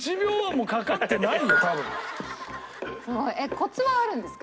コツはあるんですか？